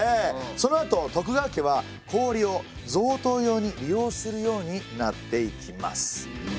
そのあと徳川家は氷を贈答用に利用するようになっていきます。